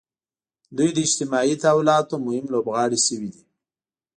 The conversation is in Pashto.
دوی د اجتماعي تحولاتو مهم لوبغاړي شوي دي.